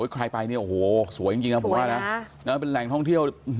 ใครไปเนี่ยโอ้โหสวยจริงนะผมว่านะเป็นแหล่งท่องเที่ยว